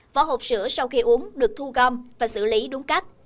vỏ hộp sữa sau khi uống được thu gom và xử lý đúng cách